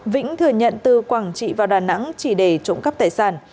vĩnh thừa nhận từ quảng trị vào đà nẵng chỉ để trộm cắp tài sản